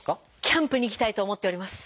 キャンプに行きたいと思っております。